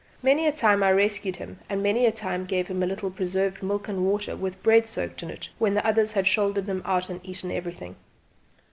Many a time I rescued him, and many a time gave him a little preserved milk and water with bread soaked in it when the others had shouldered him out and eaten everything.